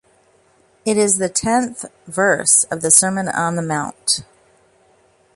It is the tenth verse of the Sermon on the Mount.